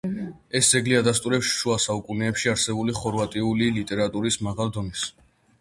ეს ძეგლი ადასტურებს შუასაუკუნეებში არსებული ხორვატიული ლიტერატურის მაღალ დონეს.